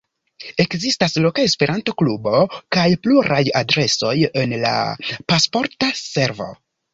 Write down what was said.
Ekzistas loka Esperanto-klubo kaj pluraj adresoj en la Pasporta Servo.